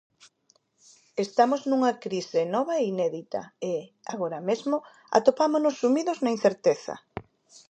Estamos nunha crise nova e inédita e, agora mesmo, atopámonos sumidos na incerteza.